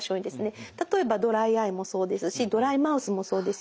例えばドライアイもそうですしドライマウスもそうです。